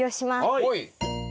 はい。